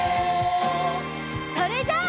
それじゃあ。